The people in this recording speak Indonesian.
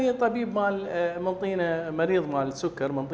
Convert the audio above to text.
yang telah memiliki izin untuk menjual obat herbal